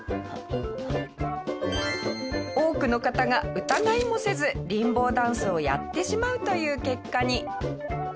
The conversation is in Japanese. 多くの方が疑いもせずリンボーダンスをやってしまうという結果に。